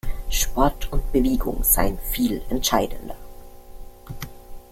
Sport und Bewegung seien viel entscheidender.